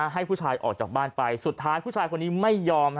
ให้ผู้ชายออกจากบ้านไปสุดท้ายผู้ชายคนนี้ไม่ยอม